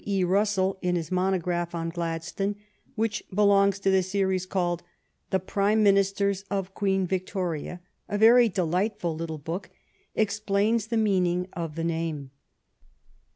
E. Russell, in his monograph on Gladstone, which belongs to the series called " The Prime Ministers of Queen Victoria," a very delightful little book, explains the meaning of the name.